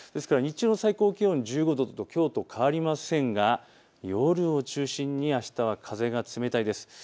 日中の最高気温１５度ときょうと変わりませんが夜を中心にあしたは風が冷たいです。